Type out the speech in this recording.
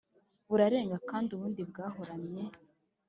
burarenga kandi ubundi bwarohamye